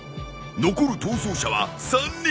［残る逃走者は３人］